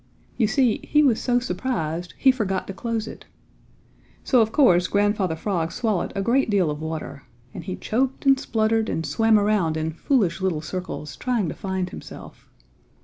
You see he was so surprised he forgot to close it. So, of course, Grandfather Frog swallowed a great deal of water, and he choked and spluttered and swam around in foolish little circles trying to find himself.